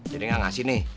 jadi gak ngasih nih